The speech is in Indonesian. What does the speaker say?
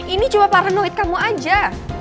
ini cuma paranoid kamu aja